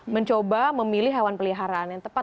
mencoba memilih hewan peliharaan yang tepat